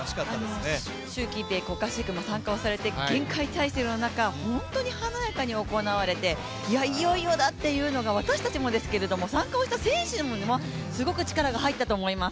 習近平国家主席も参加をされて厳戒態勢の中本当に華やかに行われて、いよいよだというのが、私たちもですけれども参加をした選手にもすごく力が入ったと思います。